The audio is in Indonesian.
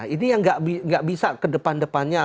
ini yang nggak bisa kedepan depannya